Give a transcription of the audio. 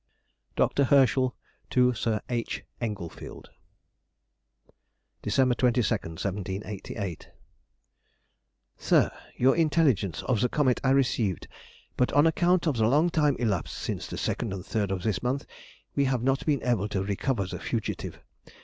DR. HERSCHEL TO SIR H. ENGLEFIELD. December 22, 1788. SIR,— Your intelligence of the comet I received, but on account of the long time elapsed since the 2nd and 3rd of this month we have not been able to recover the fugitive.